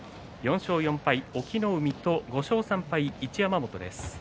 ４勝４敗、隠岐の海と５勝３敗、一山本です。